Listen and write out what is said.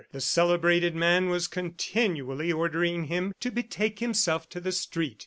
The celebrated man was continually ordering him to betake himself to the street.